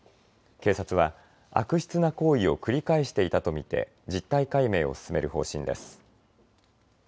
警察は、悪質な行為を繰り返していたとみて実態解明を進める方針です。